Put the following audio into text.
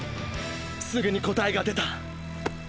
すぐに答えが出た。